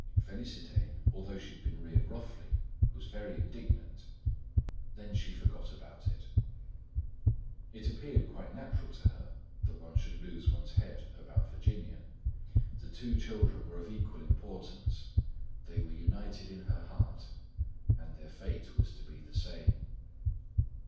Félicité, although she had been reared roughly, was very indignant. Then she forgot about it. It appeared quite natural to her that one should lose one's head about Virginia. The two children were of equal importance; they were united in her heart and their fate was to be the same.